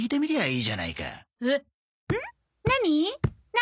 何？